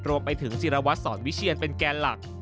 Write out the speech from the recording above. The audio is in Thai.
รวมไปถึงศิรวัตรสอนวิเชียนเป็นแกนหลัก